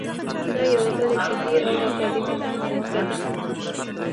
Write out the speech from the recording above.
دا یوه بله جدي او اکاډمیکه نیوکه ده.